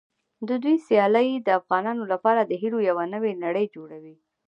د دوی سیالۍ د افغانانو لپاره د هیلو یوه نوې نړۍ جوړوي.